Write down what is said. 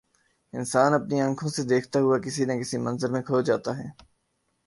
انسان اپنی آنکھوں سے دیکھتا ہوا کسی نہ کسی منظر میں کھو جاتا ہے۔